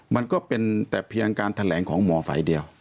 มันก็เป็นแต่เพียงการแถลงของหมอฝ่ายเดียว